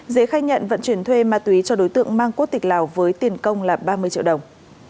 dễ khai nhận vận chuyển thuê ma túy cho đối tượng mang quốc tịch lào với tiền công là ba mươi triệu đồng